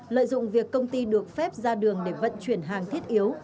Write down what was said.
lợi dụng việc công ty được phép ra đường để vận chuyển hàng thiết yếu